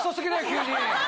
急に！